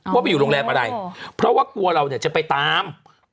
ว่าไปอยู่โรงแรมอะไรเพราะว่ากลัวเราเนี่ยจะไปตาม